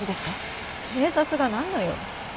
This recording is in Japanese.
警察がなんの用？